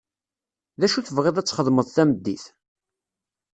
D acu tebɣiḍ ad txedmeḍ tameddit?